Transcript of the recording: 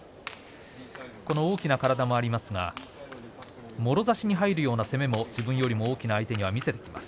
大きな体もありますがもろ差しに入るような攻めも自分よりも大きな相手には見せてきます。